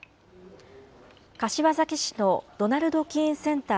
柏崎市のドナルド・キーン・センター